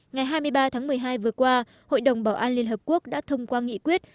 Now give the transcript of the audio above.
ngày hai mươi ba tháng một mươi hai vừa qua hội đồng bảo an liên hợp quốc đã thông qua nghị quyết